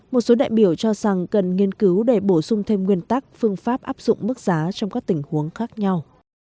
một số đại biểu cho rằng cần nghiên cứu để bổ sung thêm nguyên tắc phương pháp áp dụng mức giá trong các tình huống khác nhau